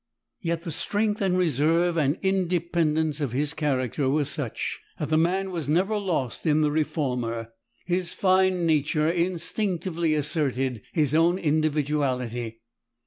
Yet the strength and reserve and independence of his character were such that the man was never lost in the reformer. His fine nature instinctively asserted his own individuality.